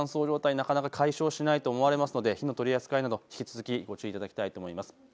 なかなか解消しないと思われますので火の取り扱いなど引き続きご注意いただきたいと思います。